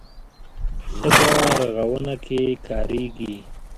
شګه رغونه کې کارېږي.